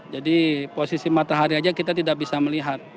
jadi posisi matahari saja kita tidak bisa melihat